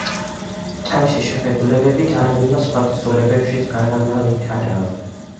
თავისი შეხედულებები დარვინმა სხვა თხზულებებშიც განავითარა.